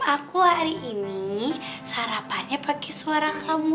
aku hari ini sarapannya pake suara kamu aja